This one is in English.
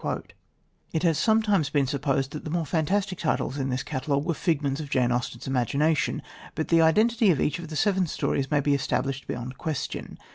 It has sometimes been supposed that the more fantastic titles in this catalogue were figments of Jane Austen's imagination, but the identity of each of the seven stories may be established beyond question.